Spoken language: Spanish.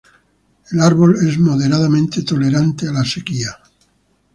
El árbol es moderadamente tolerante a la sequía.